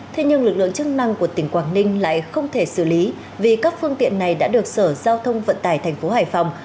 thế nhưng lực lượng chức năng của tỉnh quảng ninh lại không thể xử lý vì các phương tiện này đã được sở giao thông vận tải thành phố hải phòng